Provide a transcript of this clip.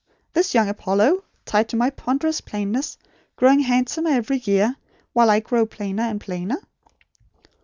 This young Apollo, tied to my ponderous plainness; growing handsomer every year, while I grow older and plainer?'